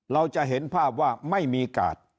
เราจะเห็นภาพว่าไม่มีกาด